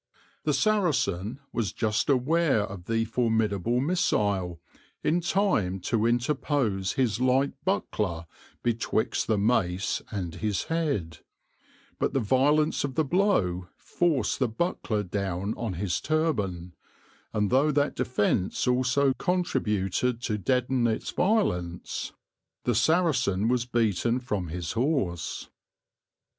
The Saracen was just aware of the formidable missile in time to interpose his light buckler betwixt the mace and his head; but the violence of the blow forced the buckler down on his turban, and though that defence also contributed to deaden its violence, the Saracen was beaten from his horse.